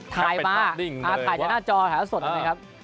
ถ่ายมาถ่ายจากหน้าจอแถวสดนะครับ